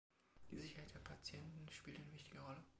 Die Sicherheit der Patienten spielt eine wichtige Rolle.